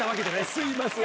すいません。